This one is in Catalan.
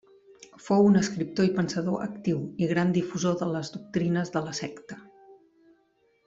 Fou un escriptor i pensador actiu, i gran difusor de les doctrines de la secta.